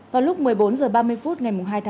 vào lúc một mươi bốn h ba mươi phút ngày hai